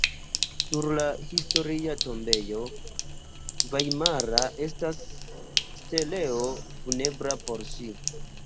Sur la Historia tombejo vajmara estas steleo funebra por ŝi.